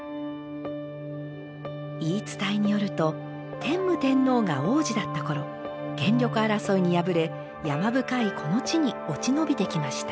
言い伝えによると天武天皇が皇子だった頃権力争いに敗れ山深いこの地に落ち延びてきました。